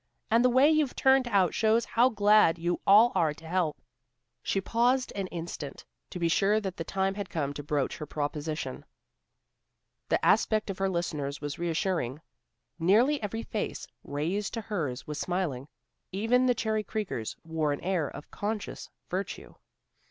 And the way you've turned out shows how glad you all are to help." She paused an instant, to be sure that the time had come to broach her proposition. The aspect of her listeners was reassuring. Nearly every face raised to hers was smiling. Even the Cherry Creekers wore an air of conscious virtue.